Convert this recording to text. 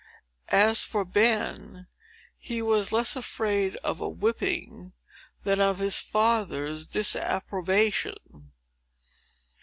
As for Ben, he was less afraid of a whipping than of his father's disapprobation.